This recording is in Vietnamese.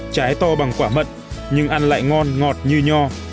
trái to bằng quả mận nhưng ăn lại ngon ngọt như nho